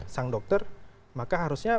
sang dokter maka harusnya